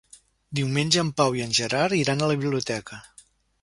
Diumenge en Pau i en Gerard iran a la biblioteca.